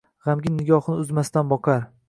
G‘amgin nigohini uzmasdan boqar